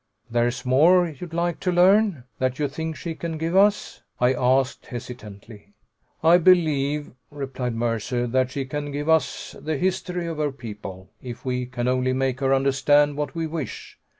"There's more you'd like to learn? That you think she can give us?" I asked hesitantly. "I believe," replied Mercer, "that she can give us the history of her people, if we can only make her understand what we wish.